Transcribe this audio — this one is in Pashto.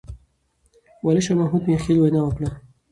والي شاه محمود مياخيل وينا وکړه.